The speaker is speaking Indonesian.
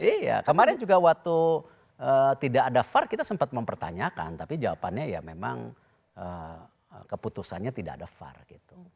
iya kemarin juga waktu tidak ada var kita sempat mempertanyakan tapi jawabannya ya memang keputusannya tidak ada var gitu